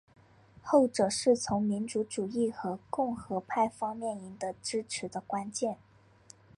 后者是从民族主义和共和派方面赢得支持的关键。